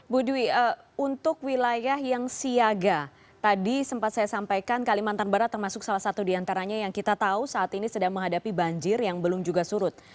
bu dwi untuk wilayah yang siaga tadi sempat saya sampaikan kalimantan barat termasuk salah satu diantaranya yang kita tahu saat ini sedang menghadapi banjir yang belum juga surut